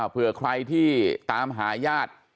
เผื่อใครที่ตามหาญาติ